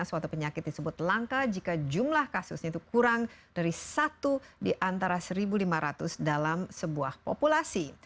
suatu penyakit disebut langka jika jumlah kasusnya itu kurang dari satu di antara satu lima ratus dalam sebuah populasi